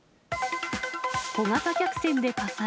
小型客船で火災。